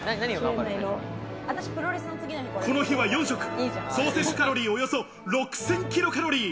この日は四食、総摂取カロリーおよそ６０００キロカロリー。